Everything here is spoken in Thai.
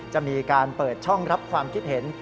จะมีการเปิดช่องรับความคิดเห็น